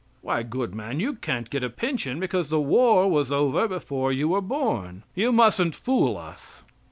"Why, good man, you can't get a pension, because the war was over before you were born. You mustn't fool us."